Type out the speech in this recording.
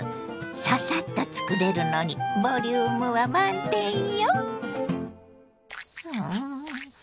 ササッと作れるのにボリュームは満点よ。